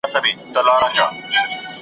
زه پخپلو وزرونو د تیارې پلو څیرمه .